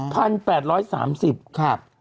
๖๘๓๐บาทครับ